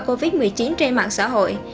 covid một mươi chín trên mạng xã hội